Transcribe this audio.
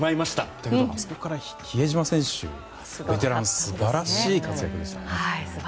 だけど、あそこから比江島選手ベテランが素晴らしい活躍でしたね。